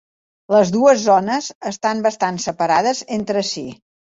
Les dues zones estan bastant separades entre si.